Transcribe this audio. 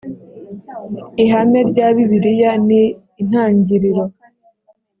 ihame rya bibiliya ni intangiriro